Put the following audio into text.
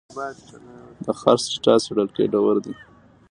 د خرڅ ډیټا څېړل ګټور دي.